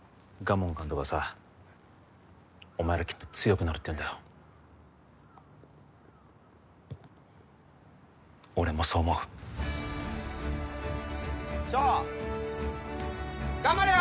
門監督がさお前らきっと強くなるって言うんだよ俺もそう思う翔頑張れよ！